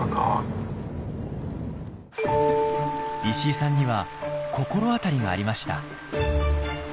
石井さんには心当たりがありました。